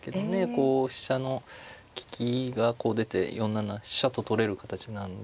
こう飛車の利きがこう出て４七飛車と取れる形なんで。